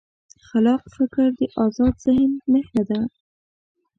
خلاق فکر د ازاد ذهن نښه ده.